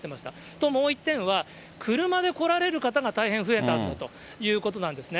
と、もう一点は、車で来られる方が大変増えたということなんですね。